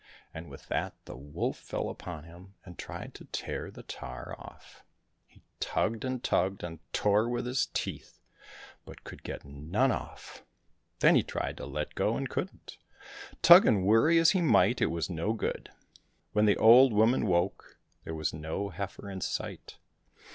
And with that the wolf fell upon him and tried to tear the tar off. He tugged and tugged, and tore with his teeth, but could get none 140 THE STRAW OX off. Then he tried to let go, and couldn't ; tug and worry as he might, it was no good. When the old woman woke, there was no heifer in sight.